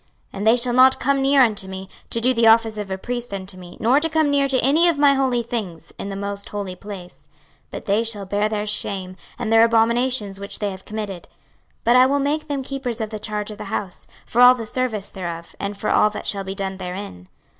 26:044:013 And they shall not come near unto me, to do the office of a priest unto me, nor to come near to any of my holy things, in the most holy place: but they shall bear their shame, and their abominations which they have committed. 26:044:014 But I will make them keepers of the charge of the house, for all the service thereof, and for all that shall be done therein.